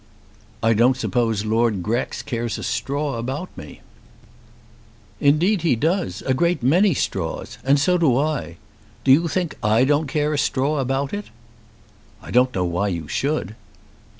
"I don't suppose Lord Grex cares a straw about me." "Indeed he does, a great many straws. And so do I. Do you think I don't care a straw about it?" "I don't know why you should."